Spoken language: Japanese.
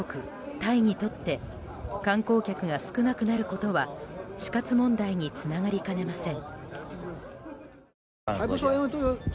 タイにとって観光客が少なくなることは死活問題につながりかねません。